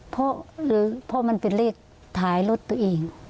เพราะมันเป็นเลขท้ายรถตัวเอง